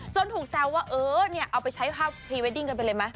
ถูกแซวว่าเออเนี่ยเอาไปใช้ภาพพรีเวดดิ้งกันไปเลยไหม